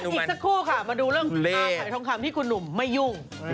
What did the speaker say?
อีกสักครู่ค่ะมาดูเรื่องอาไข่ทองคำที่คุณหนุ่มไม่ยุ่ง